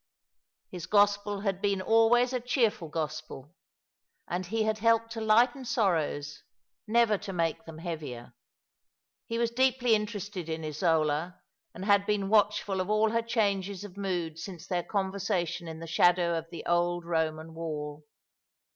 His gospel had been always a cheerful gospel, and he had helped to lighten sorrows, never to make them heavier. He was deeply interested in Isola, and had been watchful of all her changes of mood since their conversation in the shadow of the old Koman wall.